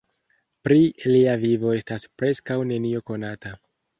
Pri lia vivo estas preskaŭ nenio konata.